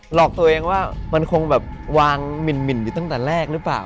หลอกตัวเองว่ามันคงแบบวางหมินอยู่ตั้งแต่แรกหรือเปล่า